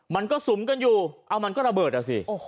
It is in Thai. มันก็สุมกันอยู่เอามันก็ระเบิดอ่ะสิ